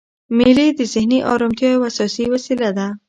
مېلې د ذهني ارامتیا یوه اساسي وسیله ده.